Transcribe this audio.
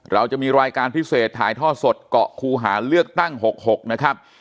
เราจะมีรายการพิเศษถ่ายท่อสดเกาะคูหาเลือกตั้ง๖๖นะครับ